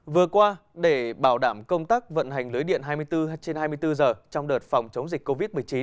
vừa qua để bảo đảm công tác vận hành lưới điện hai mươi bốn trên hai mươi bốn giờ trong đợt phòng chống dịch covid một mươi chín